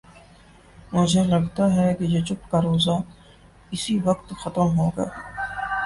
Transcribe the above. مجھے لگتا ہے کہ یہ چپ کا روزہ اسی وقت ختم ہو گا۔